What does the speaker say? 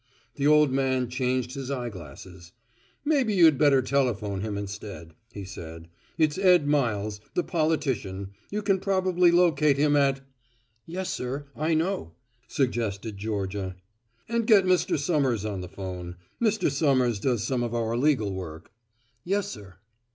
The old man changed his eyeglasses. "Maybe you'd better telephone him instead," he said. "It's Ed Miles, the politician. You can probably locate him at " "Yes, sir, I know," suggested Georgia. "And get Mr. Somers on the phone Mr. Somers does some of our legal work " "Yes, sir."